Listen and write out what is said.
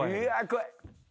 怖い。